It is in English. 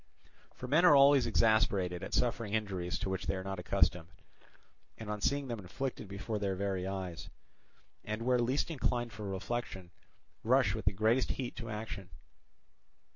For men are always exasperated at suffering injuries to which they are not accustomed, and on seeing them inflicted before their very eyes; and where least inclined for reflection, rush with the greatest heat to action.